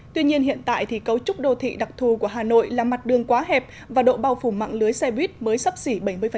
tuy nhiên hiện tại thì cấu trúc đô thị đặc thù của hà nội là mặt đường quá hẹp và độ bao phủ mạng lưới xe buýt mới sắp xỉ bảy mươi